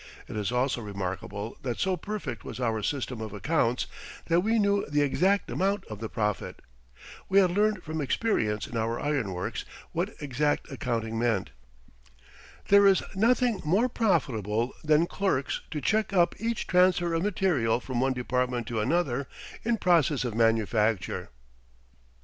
It is also remarkable that so perfect was our system of accounts that we knew the exact amount of the profit. We had learned from experience in our iron works what exact accounting meant. There is nothing more profitable than clerks to check up each transfer of material from one department to another in process of manufacture.